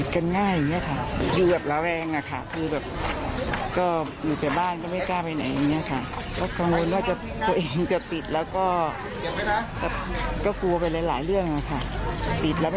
วันนี้ใจชื้นขึ้นมาระดับหนึ่งครับ